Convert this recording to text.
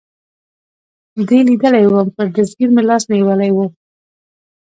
دې لیدلی ووم، پر دستګیر مې لاس نیولی و.